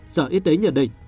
sở y tế nhận định